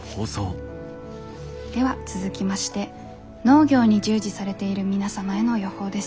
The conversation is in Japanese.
では続きまして農業に従事されている皆様への予報です。